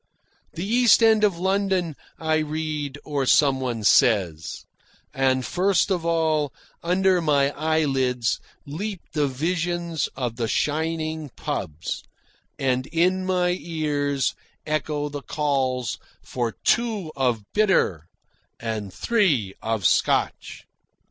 The East End of London, I read, or some one says; and first of all, under my eyelids, leap the visions of the shining pubs, and in my ears echo the calls for "two of bitter" and "three of Scotch."